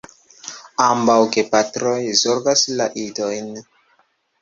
Ambaŭ gepatroj zorgas la idojn.